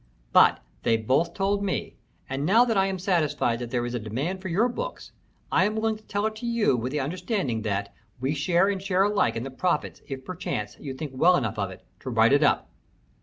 But they both told me, and now that I am satisfied that there is a demand for your books, I am willing to tell it to you with the understanding that we share and share alike in the profits if perchance you think well enough of it to write it up."